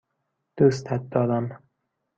دوستت دارم.